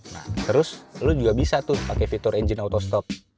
nah terus lu juga bisa tuh pakai fitur engine auto stop